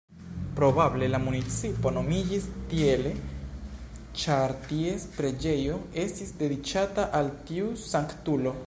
Probable la municipo nomiĝis tiele ĉar ties preĝejo estis dediĉata al tiu sanktulo.